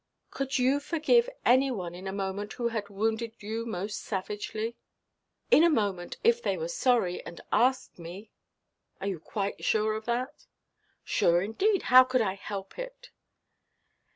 "Could you forgive any one in a moment who had wounded you most savagely?" "In a moment,—if they were sorry, and asked me." "Are you quite sure of that?" "Sure, indeed! How could I help it?"